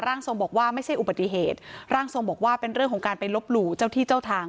ทรงบอกว่าไม่ใช่อุบัติเหตุร่างทรงบอกว่าเป็นเรื่องของการไปลบหลู่เจ้าที่เจ้าทาง